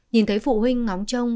nhìn thấy phụ huynh ngóng trông